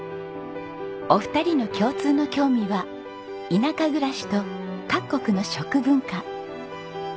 お二人の共通の興味は田舎暮らしと各国の食文化。